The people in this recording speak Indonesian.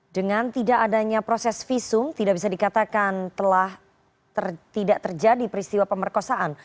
dengan tidak adanya proses visum tidak bisa dikatakan telah tidak terjadi peristiwa pemerkosaan